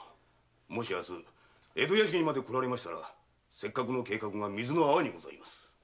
もし明日江戸屋敷にまで来られましたらせっかくの計画が水の泡にございます。